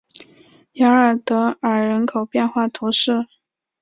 雅尔德尔人口变化图示